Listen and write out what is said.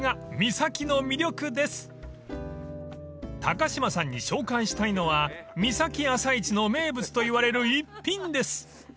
［高島さんに紹介したいのは三崎朝市の名物といわれる逸品です］